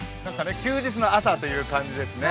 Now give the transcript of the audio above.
休日の朝という感じですね。